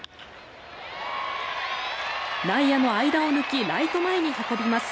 内野の間を抜きライト前に運びます。